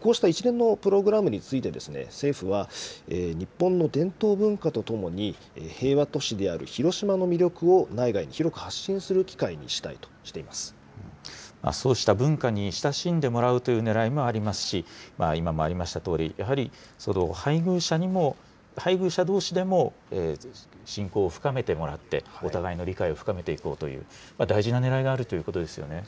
こうした一連のプログラムについて、政府は日本の伝統文化とともに、平和都市である広島の魅力を内外に広く発信する機会にしたいとしそうした文化に親しんでもらうというねらいもありますし、今もありましたとおり、やはり、配偶者どうしでも親交を深めてもらって、お互いの理解を深めていこうという大事なねらいがあるということですよね。